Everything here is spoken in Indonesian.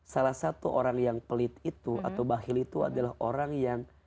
salah satu orang yang pelit itu atau bahil itu adalah orang yang